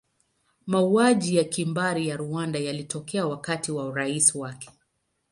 Mauaji ya kimbari ya Rwanda yalitokea wakati wa urais wake.